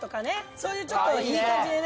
そういうちょっといい感じでね。